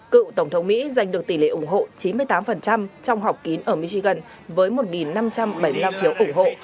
cựu tổng thống mỹ giành được tỷ lệ ủng hộ chín mươi tám trong học kín ở michigan với một năm trăm bảy mươi năm phiếu ủng hộ